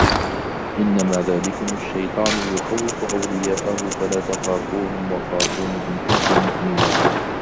إِنَّمَا ذَلِكُمُ الشَّيْطَانُ يُخَوِّفُ أَوْلِيَاءَهُ فَلَا تَخَافُوهُمْ وَخَافُونِ إِنْ كُنْتُمْ مُؤْمِنِينَ